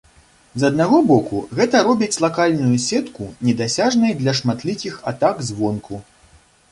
З аднаго боку, гэта робіць лакальную сетку недасяжнай для шматлікіх атак звонку.